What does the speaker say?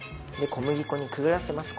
小麦粉にくぐらせます。